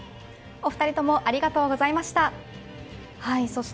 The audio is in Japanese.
お２人ともありがとうございました。